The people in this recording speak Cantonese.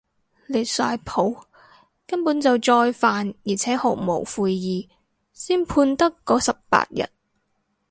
離晒譜，根本就再犯而且毫無悔意，先判得嗰十八日